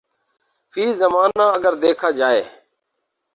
فی زمانہ اگر دیکھا جائے